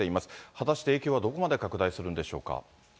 果たして影響はどこまで拡大するんでしょうか。